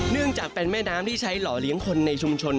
เนื่องจากเป็นแม่น้ำที่ใช้หล่อเลี้ยงคนในชุมชน